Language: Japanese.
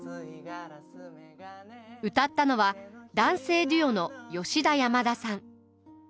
歌ったのは男性デュオの吉田山田さん。